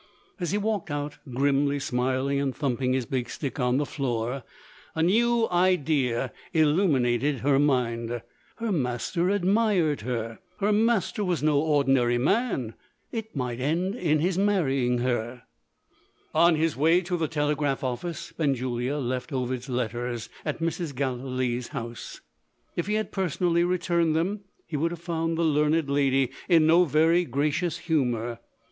As he walked out, grimly smiling and thumping his big stick on the floor, a new idea illuminated her mind. Her master admired her; her master was no ordinary man it might end in his marrying her. On his way to the telegraph office, Benjulia left Ovid's letters at Mrs. Gallilee's house. If he had personally returned them, he would have found the learned lady in no very gracious humour.